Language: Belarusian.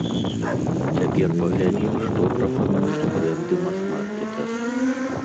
Цяпер паглядзім, што прапануюць брэнды мас-маркета.